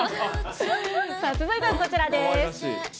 続いてはこちらです。